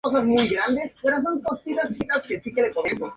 Es considerada una de las máximas exponentes de la literatura caribeña.